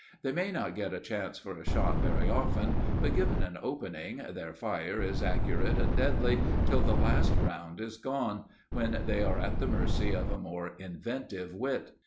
They may not get a chance for a shot very often, but, given an opening, their fire is accurate and deadly till the last round is gone, when they are at the mercy of a more inventive wit.